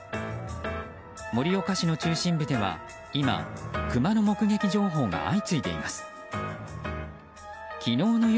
盛岡市の中心部では今、クマの目撃情報が相次いでいます。